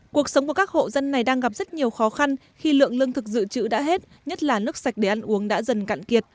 cuộc sống của các hộ dân này đang gặp rất nhiều khó khăn khi lượng lương thực dự trữ đã hết nhất là nước sạch để ăn uống đã dần cạn kiệt